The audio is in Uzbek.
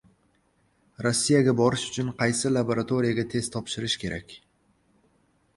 Rossiyaga borish uchun qaysi laboratoriyaga test topshirish kerak?